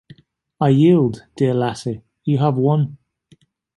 I yield, dear lassie, you have won.